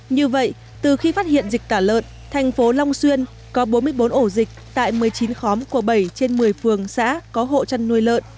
như vậy từ khi phát hiện dịch tả lợn thành phố long xuyên có bốn mươi bốn ổ dịch tại một mươi chín khóm của bảy trên một mươi phường xã có hộ chăn nuôi lợn